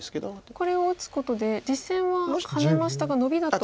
これを打つことで実戦はハネましたがノビだと。